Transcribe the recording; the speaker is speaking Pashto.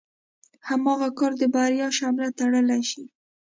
هماغه کار د بريا شمله تړلی شي.